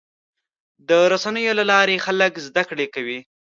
د رسنیو له لارې خلک زدهکړه کوي.